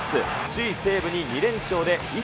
首位西武に２連勝で１．５